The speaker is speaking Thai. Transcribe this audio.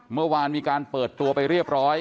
เมื่อวานมีการเปิดตัวไปเรียบร้อย